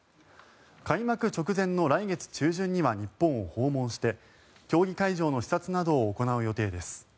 開幕直前の来月中旬には日本を訪問して競技会場の視察などを行う予定です。